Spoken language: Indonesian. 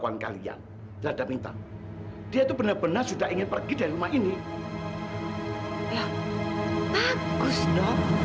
mama udah bener bener berusaha